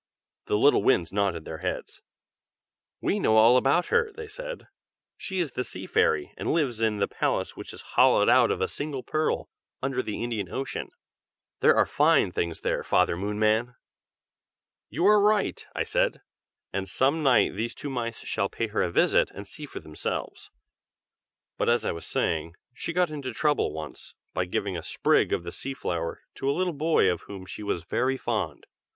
The little Winds nodded their heads. "We know all about her!" they said. "She is the Sea Fairy, and lives in the palace which is hollowed out of a single pearl, under the Indian Ocean. There are fine things there, Father Moonman!" "You are right!" I said, "and some night these two mice shall pay her a visit, and see for themselves. But as I was saying, she got into trouble once, by giving a sprig of the sea flower to a little boy of whom she was very fond.